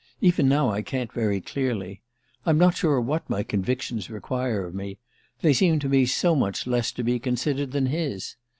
Even now I can't very clearly. I'm not sure what my convictions require of me: they seem to me so much less to be considered than his!